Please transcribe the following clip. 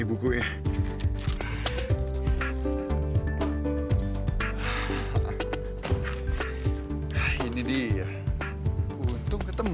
ibu sama bapak itu pasti nungguin